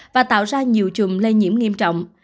và tạo ra nhiều chùm lây nhiễm nghiêm trọng